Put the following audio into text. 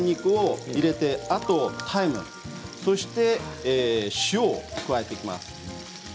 あとタイムそして塩を加えていきます。